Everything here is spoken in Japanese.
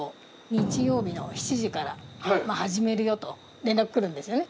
日曜日の７時から始めるよと、連絡来るんですよね。